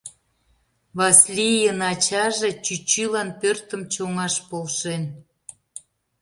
Васлийын ачаже чӱчӱлан пӧртым чоҥаш полшен.